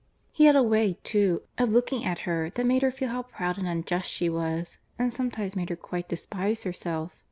He had a way, too, of looking at her that made her feel how proud and unjust she was, and sometimes made her quite despise herself.